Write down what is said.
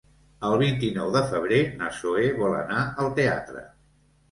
El vint-i-nou de febrer na Zoè vol anar al teatre.